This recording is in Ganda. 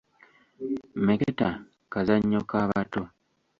Mmeketa kazannyo ka bato